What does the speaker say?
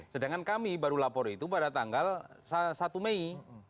sedangkan kami baru lapor itu pada tanggal satu mei